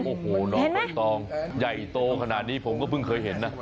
โอ้โหน้องใบตองใหญ่โตขนาดนี้ผมก็เพิ่งเคยเห็นนะ